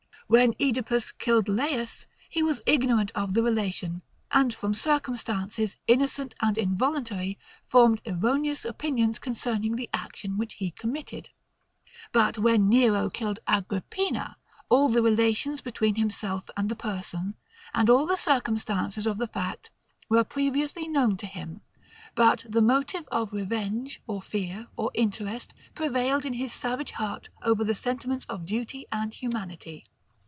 When Oedipus killed Laius, he was ignorant of the relation, and from circumstances, innocent and involuntary, formed erroneous opinions concerning the action which he committed. But when Nero killed Agrippina, all the relations between himself and the person, and all the circumstances of the fact, were previously known to him; but the motive of revenge, or fear, or interest, prevailed in his savage heart over the sentiments of duty and humanity.